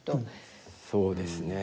そうですね